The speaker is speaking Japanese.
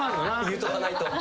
言うとかないと。